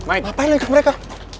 apaan lo ikut mereka